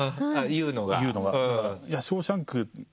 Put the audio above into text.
言うのが。